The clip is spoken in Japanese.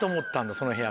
その部屋が。